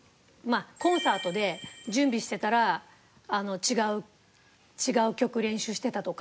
コンサートで準備してたら違う曲練習してたとか。